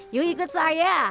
yuk ikut saya